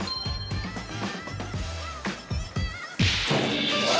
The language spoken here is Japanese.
うわ！